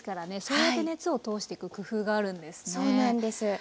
そうやって熱を通していく工夫があるんですね。